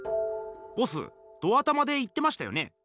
ボスド頭で言ってましたよね？